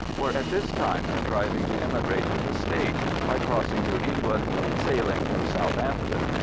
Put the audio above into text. were at this time contriving to emigrate to the States by crossing to England and sailing from Southampton.